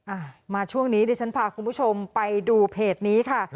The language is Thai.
มาช่วงนี้ดิฉันพาคุณผู้ชมไปดูเพจนี้ค่ะ